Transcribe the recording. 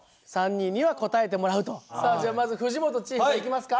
さあじゃあまず藤本チーフからいきますか？